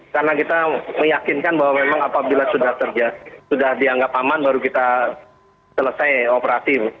karena kita meyakinkan bahwa memang apabila sudah dianggap aman baru kita selesai operasi